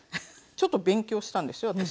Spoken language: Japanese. ちょっと勉強したんですよ